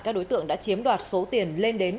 các đối tượng đã chiếm đoạt số tiền lên đến